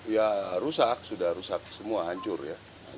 ya rusak sudah rusak semua hancur ya